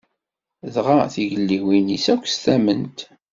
Dɣa tigelliwin-is akk s tamment.